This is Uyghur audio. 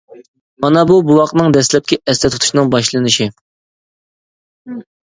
مانا بۇ بوۋاقنىڭ دەسلەپكى ئەستە تۇتۇشىنىڭ باشلىنىشى.